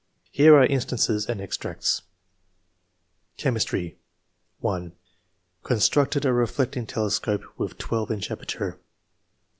Here are instances and extracts :— Chemistry. — 1. *^ Constructed a reflecting telescope, with 12 inch aperture."